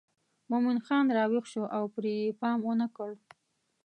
مومن خان راویښ شو او پرې یې پام ونه کړ.